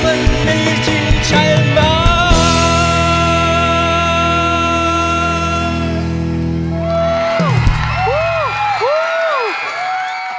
เวรกรรมมันมีจริงใช่ไหม